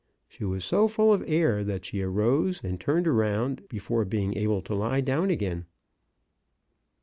She was so full of air that she arose and turned around, before being able to lie down again.